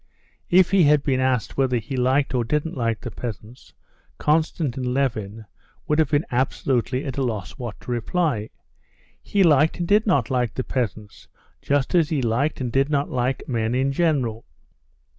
If he had been asked whether he liked or didn't like the peasants, Konstantin Levin would have been absolutely at a loss what to reply. He liked and did not like the peasants, just as he liked and did not like men in general.